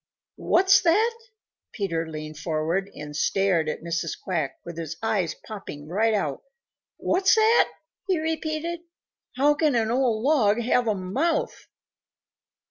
"What's that?" Peter Rabbit leaned forward and stared at Mrs. Quack with his eyes popping right out. "What's that?" he repeated. "How can an old log have a mouth?"